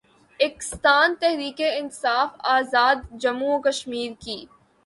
اکستان تحریک انصاف آزادجموں وکشمیر کی